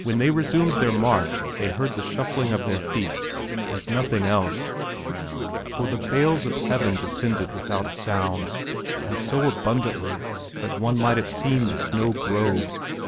When they resumed their march they heard the shuffling of their feet and nothing else; for the veils of heaven descended without a sound, and so abundantly that one might have seen the snow grow.